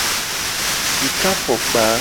Sika fokpa.